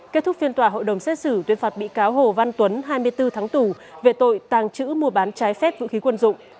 kết thúc phiên tòa hội đồng xét xử tuyên phạt bị cáo hồ văn tuấn hai mươi bốn tháng tù về tội tàng trữ mua bán trái phép vũ khí quân dụng